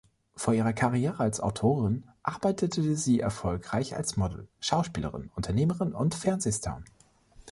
Vor ihrer Karriere als Autorin arbeitete sie erfolgreich als Model, Schauspielerin, Unternehmerin und Fernsehstar.